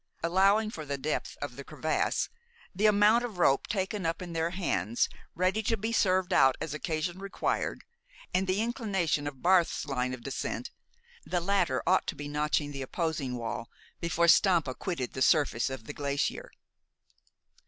Allowing for the depth of the crevasse, the amount of rope taken up in their hands ready to be served out as occasion required, and the inclination of Barth's line of descent, the latter ought to be notching the opposing wall before Stampa quitted the surface of the glacier.